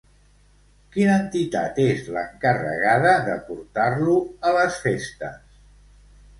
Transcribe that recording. Quina entitat es l'encarregada de portar-lo a les festes?